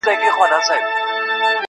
o خپه په دې یم چي زه مرم ته به خوشحاله یې.